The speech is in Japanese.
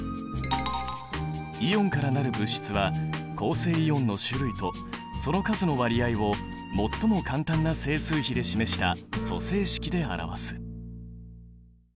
イオンから成る物質は構成イオンの種類とその数の割合を最も簡単な整数比で示した組成式で表す。